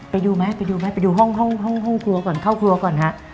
ไปดูไหมไปดูห้องครัวก่อนข้าวครัวก่อนฮะ